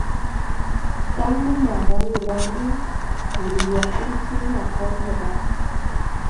Taŋgu maaga wùr raw líŋ, wùr yɔg ɓil tiŋ lakɔl gɔ ɗa.